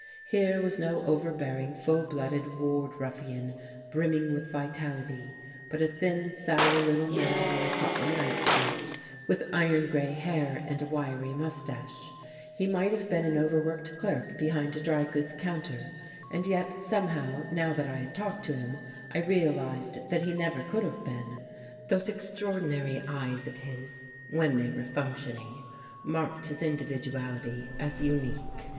Here was no overbearing, full blooded ward ruffian brimming with vitality, but a thin, sallow little man in a cotton night shirt, with iron grey hair and a wiry moustache; he might have been an overworked clerk behind a dry goods counter; and yet somehow, now that I had talked to him, I realized that he never could have been. Those extraordinary eyes of his, when they were functioning, marked his individuality as unique.